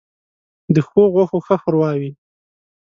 ـ د ښو غوښو ښه ښوروا وي.